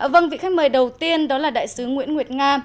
vâng vị khách mời đầu tiên đó là đại sứ nguyễn nguyệt nga